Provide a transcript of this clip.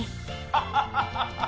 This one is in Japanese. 「ハハハハ！」